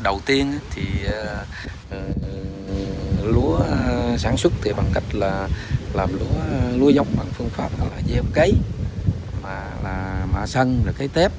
đầu tiên thì lúa sản xuất bằng cách là làm lúa dọc bằng phương pháp là dèo cấy mà sân cấy tép